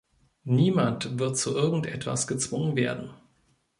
Niemand wird zu irgendetwas gezwungen werden.